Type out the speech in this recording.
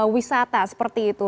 wisata seperti itu